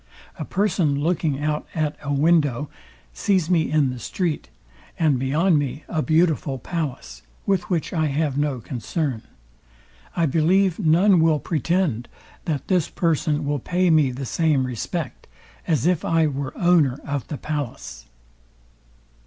A person looking out at a window, sees me in the street, and beyond me a beautiful palace, with which I have no concern: I believe none will pretend, that this person will pay me the same respect, as if I were owner of the palace.